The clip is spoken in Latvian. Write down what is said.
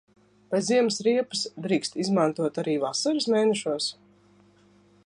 Vai ziemas riepas drīkst izmantot arī vasaras mēnešos?